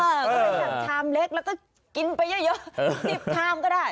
ก็เลยสั่งชามเล็กแล้วก็กินไปเยอะ๑๐ชามก็ได้